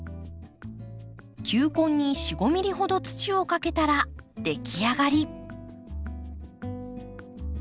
球根に４５ｍｍほど土をかけたら出来上がり。